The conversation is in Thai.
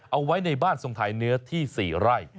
เอาไว้ในบ้านทรงไทยเนื้อที่๔ไร่